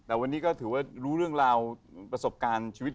แต่วันนี้ก็ถือว่ารู้เรื่องราวประสบการณ์ชีวิต